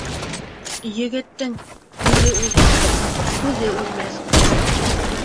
Егеттең үҙе үлһә лә, һүҙе үлмәҫ.